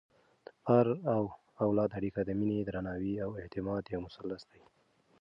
د پلار او اولاد اړیکه د مینې، درناوي او اعتماد یو مثلث دی.